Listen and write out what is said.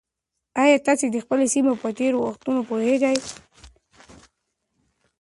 ایا تاسي د خپلې سیمې په تېرو وختونو پوهېږئ؟